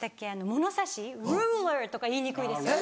物差し「Ｒｕｌｅｒ」とか言いにくいですよね。